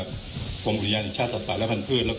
คุณผู้ชมไปฟังผู้ว่ารัฐกาลจังหวัดเชียงรายแถลงตอนนี้ค่ะ